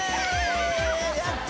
やった！